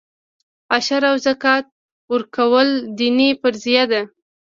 عشر او زکات ورکول دیني فریضه ده.